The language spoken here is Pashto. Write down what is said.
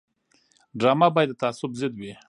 ډرامه باید د تعصب ضد وي